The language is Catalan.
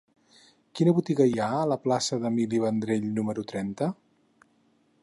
Quina botiga hi ha a la plaça d'Emili Vendrell número trenta?